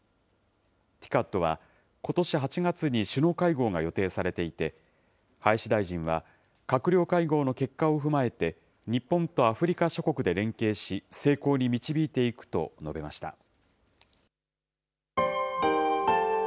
ＴＩＣＡＤは、ことし８月に首脳会合が予定されていて、林大臣は、閣僚会合の結果を踏まえて、日本とアフリカ諸国で連携し、成功に導いていくと述べました。